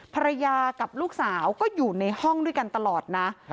ภรรยากับลูกสาวก็อยู่ในห้องด้วยกันตลอดนะ